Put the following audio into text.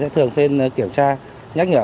thường xuyên kiểm tra nhắc nhở